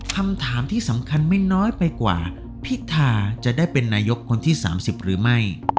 คำถามที่สำคัญไม่น้อยไปกว่าพิธาจะได้เป็นนายกคนที่๓๐หรือไม่